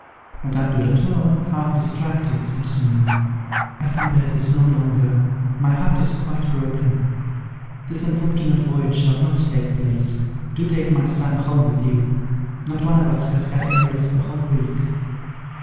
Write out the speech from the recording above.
Madame de la Tour, half distracted, said to me, "I can bear this no longer. My heart is quite broken. This unfortunate voyage shall not take place. Do take my son home with you. Not one of us has had any rest the whole week."